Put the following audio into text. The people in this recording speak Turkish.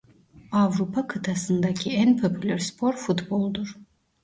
Avrupa kıtasındaki en popüler spor futboldur.